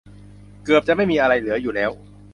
เกือบจะไม่มีอะไรเหลืออยู่แล้ว